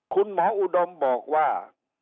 คุณหมออุดมบอกว่า